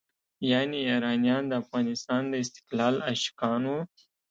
یعنې ایرانیان د افغانستان د استقلال عاشقان وو.